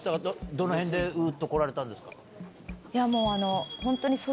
どのへんでうるっと来られたんですか？